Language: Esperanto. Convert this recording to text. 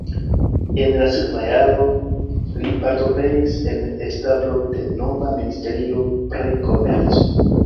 En la sekva jaro li partoprenis en establo de nova ministerio pri komerco.